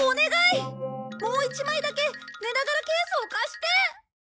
もう１枚だけねながらケースを貸して！